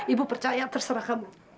ibu percaya terserah kamu